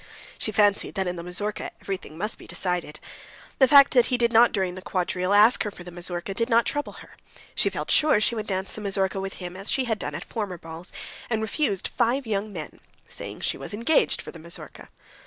She fancied that in the mazurka everything must be decided. The fact that he did not during the quadrille ask her for the mazurka did not trouble her. She felt sure she would dance the mazurka with him as she had done at former balls, and refused five young men, saying she was engaged for the mazurka.